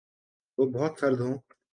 جو بہت سرد ہوں